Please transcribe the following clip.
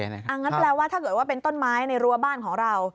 งั้นแปลว่าถ้าเกิดว่าเป็นต้นไม้ในรัวบ้านของเรา